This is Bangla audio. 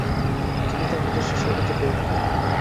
তিনি তার নিজস্ব শৈলীতে প্রয়োগ করেন।